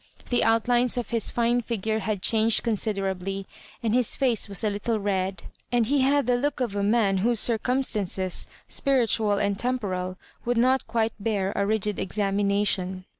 The outlines of his fine figure had changed consider ably, and his face was a little red, and he had the look of a man whose circumstances, spiritual and temporal, would not quite bear a rigid examina tion.